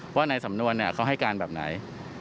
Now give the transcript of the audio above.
ว่าในสำนวนเขาให้การแบบไหน